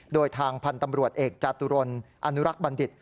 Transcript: โดยทางพันธ์ตำรวจเอกจาตุรนอนุรักษ์บัณฑิต